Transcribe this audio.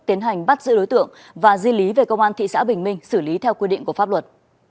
tiến hành bắt giữ đối tượng và di lý về công an thị xã bình minh xử lý theo quy định của pháp luật